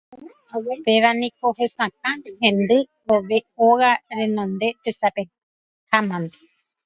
Péva niko hesakã hendy vove óga renonde tesapehámante.